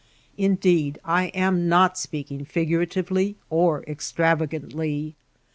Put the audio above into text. Indeed, I am not speaking figuratively or extravagantly.